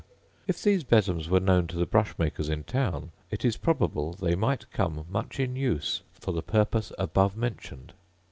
If these besoms were known to the brushmakers in town, it is probable they might come much in use for the purpose above mentioned.